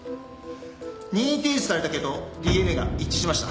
任意提出された毛とＤＮＡが一致しました。